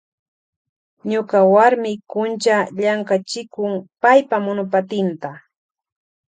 Ñuka warmi kuncha llankachikun paypa monopatinta.